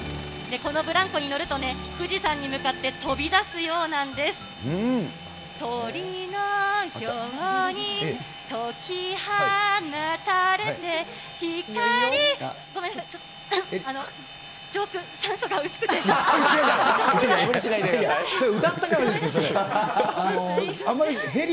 このブランコに乗るとね、富士山に向かって飛び出すようなんです。